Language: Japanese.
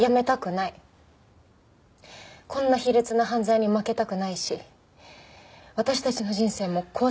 こんな卑劣な犯罪に負けたくないし私たちの人生も壊されたく。